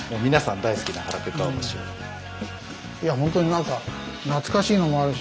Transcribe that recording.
本当に何か懐かしいのもあるし。